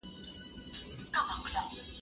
زه له سهاره لاس پرېولم